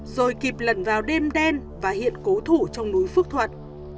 rồi kịp lần vào đêm đen và hiện cố thủ trong núi phước thuận